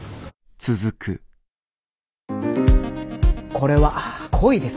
これは恋です。